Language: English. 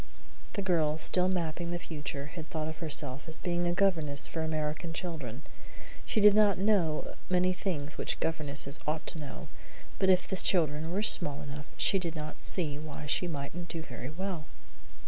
The girl, in mapping the future, had thought of herself as being a governess for American children. She did not know many things which governesses ought to know, but if the children were small enough, she did not see why she mightn't do very well.